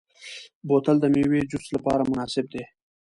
بوتل د میوې جوس لپاره مناسب دی.